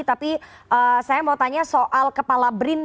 tapi saya mau tanya soal kepala brin